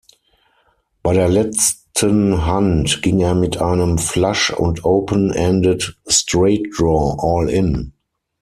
Bei der letzten Hand ging er mit einem Flush- und Open-Ended-Straight-Draw "All in".